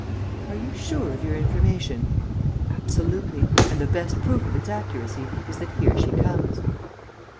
"Are you sure of your information?" "Absolutely. And the best proof of its accuracy is that here she comes."